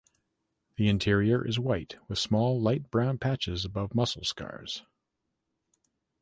The interior is white with small light brown patches above muscle scars.